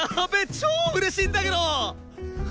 超うれしいんだけど！